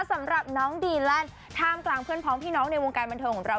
สำหรับน้องดีแลนด์ท่ามกลางเพื่อนพร้อมพี่น้องในวงการบันเทิงของเรา